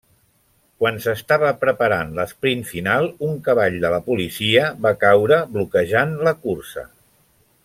Quan s'estava preparant l'esprint final un cavall de la policia va caure, bloquejant la cursa.